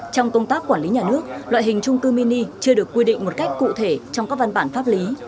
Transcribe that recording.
trong công tác quản lý nhà nước loại hình trung cư mini chưa được quy định một cách cụ thể trong các văn bản pháp lý